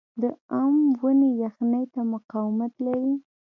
د ام ونې یخنۍ ته مقاومت لري؟